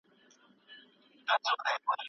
تاسو به له دروغو څخه کرکه کوئ.